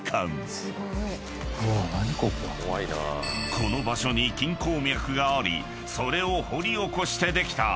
［この場所に金鉱脈がありそれを掘り起こしてできた］